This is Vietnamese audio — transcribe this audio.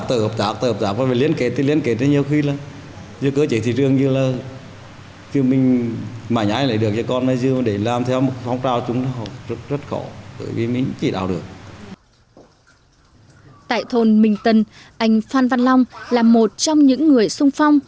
tại thôn minh tân anh phan văn long là một trong những người sung phong